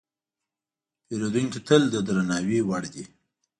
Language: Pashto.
پیرودونکی تل د درناوي وړ دی.